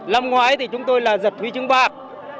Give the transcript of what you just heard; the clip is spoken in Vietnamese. lâm ngoái thì chúng tôi là giật thúy trứng bạc